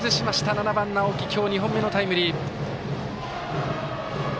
７番の青木今日２本目のタイムリー。